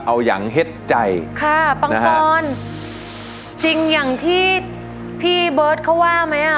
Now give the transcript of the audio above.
เอาอย่างเห็ดใจค่ะปังปอนจริงอย่างที่พี่เบิร์ตเขาว่าไหมอ่ะ